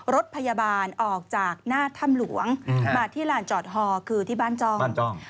รถพยาบาลออกจากหน้าถ้ำหลวงมาที่ลานจอดฮอคือที่บ้านจ้องบ้านจ้อง